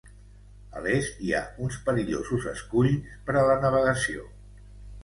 A l'est hi ha uns perillosos esculls per a la navegació.